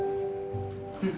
うん。